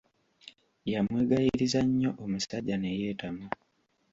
Yamwegayiriza nnyo omusajja ne yeetamwa.